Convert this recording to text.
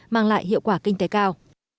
mang lại hiệu quả kinh tế cao